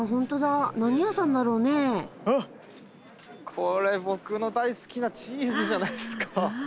これ僕の大好きなチーズじゃないっすか！